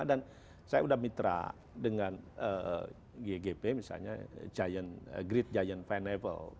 dan saya sudah mitra dengan ggp misalnya giant great giant pineapple